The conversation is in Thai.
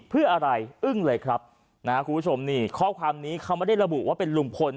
เพื่ออะไรอึ้งเลยครับนะฮะคุณผู้ชมนี่ข้อความนี้เขาไม่ได้ระบุว่าเป็นลุงพล